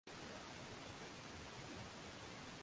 Kila baada ya nukta nne Mwafrika mmoja anaingia Ukristo